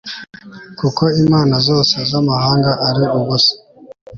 kuko imana zose z'amahanga ari ubusa